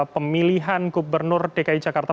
pemilihan gubernur dki jakarta